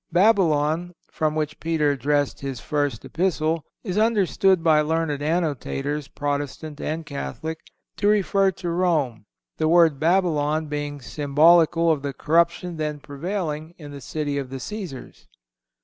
"Babylon," from which Peter addresses his first Epistle, is understood by learned annotators, Protestant and Catholic, to refer to Rome—the word Babylon being symbolical of the corruption then prevailing in the city of the Cæsars.